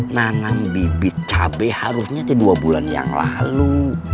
nanam bibit cabe harusnya tuh dua bulan yang lalu